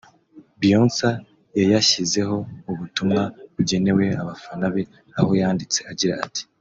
Beyonce yayashyizeho ubutumwa bugenewe abafana be aho yanditse agira ati